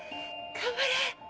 頑張れ！